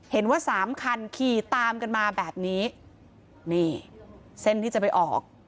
เห็นว่าสามคันขี่ตามกันมาแบบนี้นี่เส้นที่จะไปออก